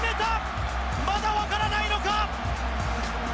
まだ分からないのか！？